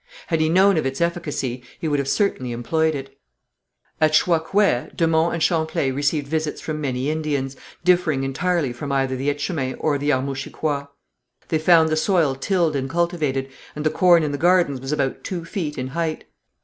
Had he known of its efficacy he would have certainly employed it. At Chouacouet de Monts and Champlain received visits from many Indians, differing entirely from either the Etchemins or the Armouchiquois. They found the soil tilled and cultivated, and the corn in the gardens was about two feet in height.